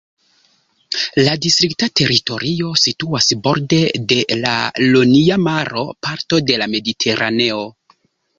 La distrikta teritorio situas borde de la Ionia Maro, parto de la Mediteraneo.